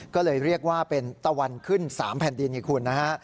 ก็เลยเรียกว่าเป็นตะวันขึ้น๓แผ่นดินให้คุณนะฮะ